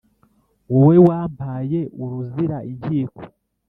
Wowe wampaye uruzira inkiko